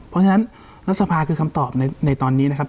เพราะฉะนั้นรัฐสภาคือคำตอบในตอนนี้นะครับ